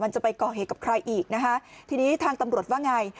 จะไปก่อเหตุกับใครอีกนะคะทีนี้ทางตำรวจว่าไง